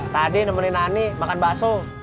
tadi nemenin nani makan bakso